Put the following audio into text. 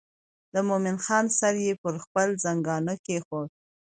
د مومن خان سر یې پر خپل زنګانه کېښود.